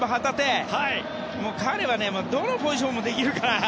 彼はどのポジションもできるから。